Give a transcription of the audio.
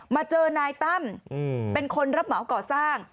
มาเจอนายตั้มเป็นคนรับเหมาก่อสร้าง